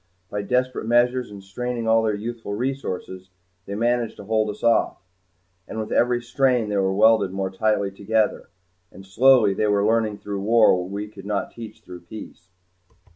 By desperate measures and straining of all their youthful resources they managed to hold us off. And with every strain they were welded more tightly together. And slowly they were learning through war what we could not teach through peace.